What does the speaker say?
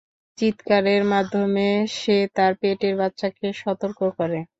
চিৎকারের মাধ্যমে সে তার পেটের বাচ্চাকে সতর্ক করে।